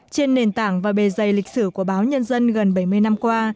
trên nền tảng và bề dày lịch sử của báo nhân dân gần bảy mươi năm qua